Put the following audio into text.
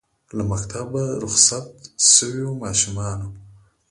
له مکتبه رخصت سویو ماشومانو